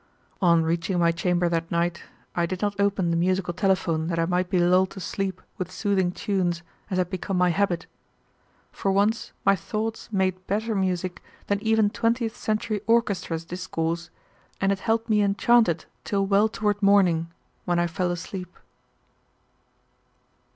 On reaching my chamber that night I did not open the musical telephone that I might be lulled to sleep with soothing tunes, as had become my habit. For once my thoughts made better music than even twentieth century orchestras discourse, and it held me enchanted till well toward morning, when I fell asleep.